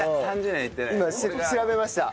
今調べました。